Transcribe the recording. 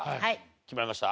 決まりました？